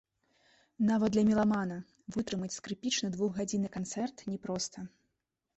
Нават для меламана вытрымаць скрыпічны двухгадзінны канцэрт не проста.